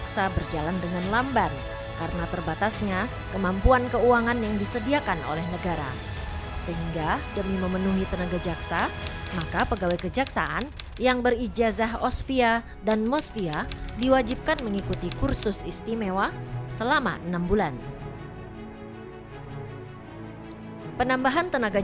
terdapat empat ratus empat puluh dua orang yang telah menangkap peristiwa di wilayah